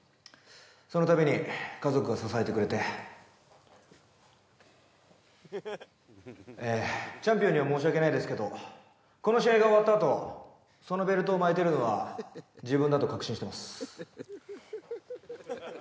そのたびに家族が支えてくれてえーチャンピオンには申し訳ないですけどこの試合が終わったあとそのベルトを巻いてるのは自分だと確信してます